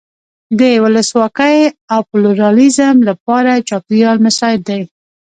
د ولسواکۍ او پلورالېزم لپاره چاپېریال مساعد دی.